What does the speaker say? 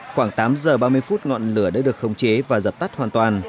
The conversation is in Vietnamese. khoảng tám giờ ba mươi phút ngọn lửa đã được khống chế và dập tắt hoàn toàn